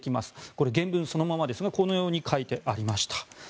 これは原文そのままですがこのように書いてありました。